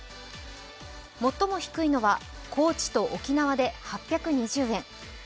最も低いのは高知と沖縄で８２０円。